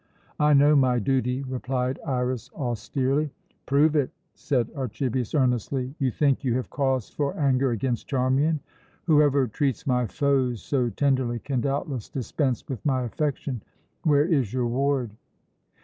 "I know my duty," replied Iras austerely. "Prove it!" said Archibius earnestly. "You think you have cause for anger against Charmian." "Whoever treats my foes so tenderly can doubtless dispense with my affection. Where is your ward?"